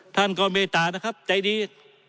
ท่านก็เมตตานะครับใจดี